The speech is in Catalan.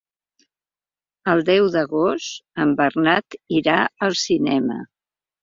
El deu d'agost en Bernat irà al cinema.